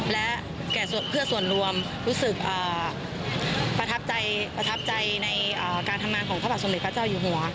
และเพื่อส่วนรวมรู้สึกประทับใจประทับใจในการทำงานของพระบาทสมเด็จพระเจ้าอยู่หัว